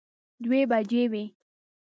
دوه بجې وې.